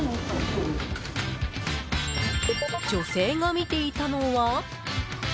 女性が見ていたのは？